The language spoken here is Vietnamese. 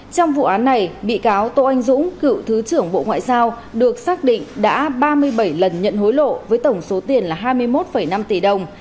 trong vụ án này bị cáo tô anh dũng cựu thứ trưởng bộ ngoại giao được xác định đã ba mươi bảy lần nhận hối lộ với tổng số tiền là hai mươi một năm tỷ đồng